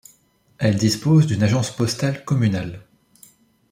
Elle dispose d'une agence postale communale.